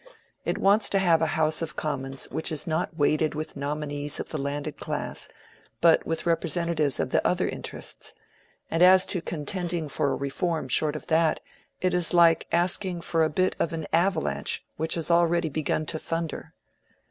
It wants to have a House of Commons which is not weighted with nominees of the landed class, but with representatives of the other interests. And as to contending for a reform short of that, it is like asking for a bit of an avalanche which has already begun to thunder."